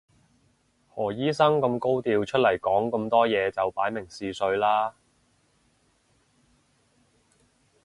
何醫生咁高調出嚟講咁多嘢就擺明試水啦